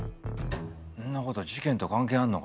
んなこと事件と関係あんのかよ。